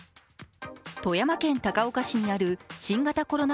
富山県高岡市にある新型コロナ